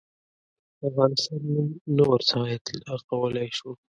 د افغانستان نوم نه ورڅخه اطلاقولای شو.